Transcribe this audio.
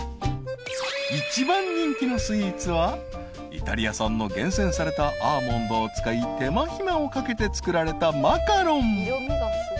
［一番人気のスイーツはイタリア産の厳選されたアーモンドを使い手間暇をかけて作られたマカロン］